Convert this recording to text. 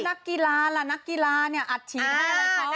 นักกีฬาล่ะนักกีฬาเนี่ยอัดฉีดให้อะไรเขา